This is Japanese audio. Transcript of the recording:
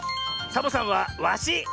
サボさんはワシ！